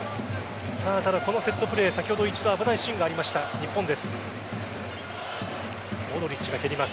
ただ、このセットプレー先ほど、一度危ないシーンがありました日本です。